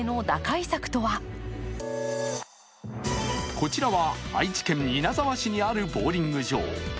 こちらは愛知県稲沢市にあるボウリング場。